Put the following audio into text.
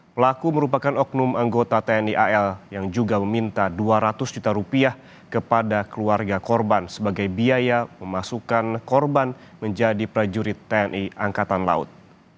pelaku merupakan oknum anggota tni al yang juga meminta dua ratus juta rupiah kepada keluarga korban sebagai biaya memasukkan korban menjadi prajurit tni angkatan laut